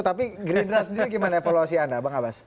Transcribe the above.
tapi gerindra sendiri bagaimana evaluasi anda bang abas